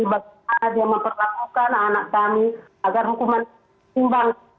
bagaimana dia memperlakukan anak kami agar hukuman timbang